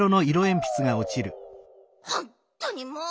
ほんとにもう！